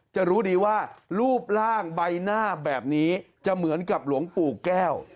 จะรู้ดีว่ารูปร่างใบหน้าแบบนี้จะเหมือนกับหลวงปู่แก้ว